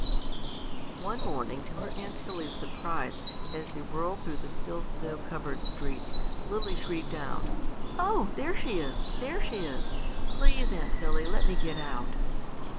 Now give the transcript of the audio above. One morning, to her aunt Tilly's surprise, as they rolled through the still snow covered streets, Lily shrieked out, "Oh, there she is! there she is! Please, Aunt Tilly, let me get out."